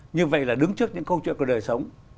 như vậy là đứng trước những câu chuyện của đời sống